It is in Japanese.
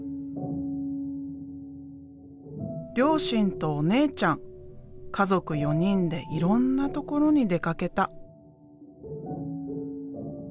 両親とお姉ちゃん家族４人でいろんなところに出かけた。